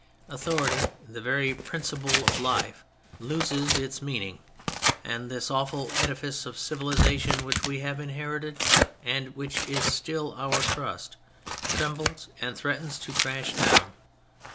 Authority, the very principle of life, loses its meaning, and this awful edifice of civilization which we have inherited, and which is still our trust, trembles and threatens to crash down.